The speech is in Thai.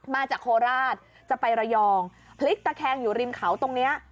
มาจากโคราชจะไประยองพลิกตะแคงอยู่ริมเขาตรงนี้